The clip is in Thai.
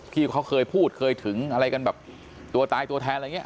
ที่เขาเคยพูดเคยถึงอะไรกันแบบตัวตายตัวแทนอะไรอย่างนี้